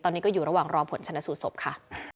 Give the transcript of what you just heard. ตอนนี้ก็อยู่ระหว่างรอผลชนะสูตรศพค่ะ